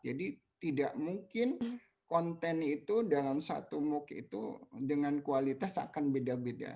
jadi tidak mungkin konten itu dalam satu mooc itu dengan kualitas akan beda beda